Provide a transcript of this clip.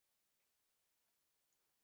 车站标识为凤尾。